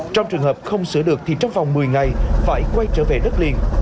trong trường hợp không sửa được thì trong vòng một mươi ngày phải quay trở về đất liền